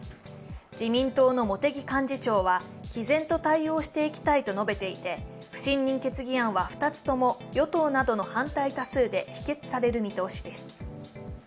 自民党の茂木幹事長は毅然と対応していきたいと述べていて、不信任決議案は２つとも与党などの反対多数で否決される見通しです。